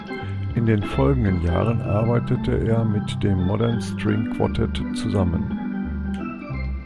In den folgenden Jahren arbeitete er mit dem Modern String Quartet zusammen.